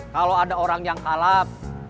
kalau ada orang yang kalap